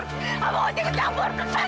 abang aku ingin ke campur